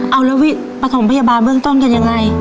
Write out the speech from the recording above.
เอาแล้วปฐมพยาบาลเบื้องต้นกันยังไง